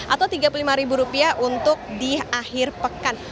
atau rp tiga puluh lima untuk di akhir pekan